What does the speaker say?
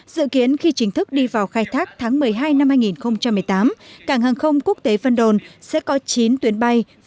dự kiến khi chính thức đi vào khai thác tháng một mươi hai năm hai nghìn một mươi tám cảng hàng không quốc tế vân đồn sẽ có chín tuyến bay